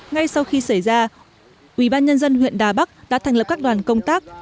ngay sau khi xảy ra ubnd huyện đà bắc đã thành lập các đoàn công tác